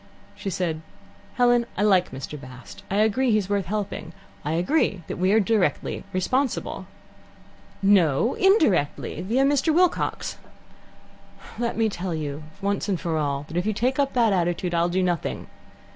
She said: "Helen, I like Mr. Bast. I agree that he's worth helping. I agree that we are directly responsible." "No, indirectly. Via Mr. Wilcox." "Let me tell you once for all that if you take up that attitude, I'll do nothing.